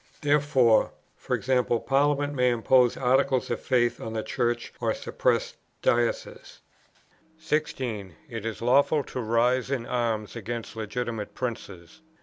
Therefore, e.g. Parliament may impose articles of faith on the Church or suppress Dioceses. 16. It is lawful to rise in arms against legitimate princes.